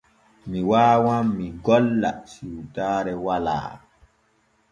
Mi waawan mi golla siwtaare walaa.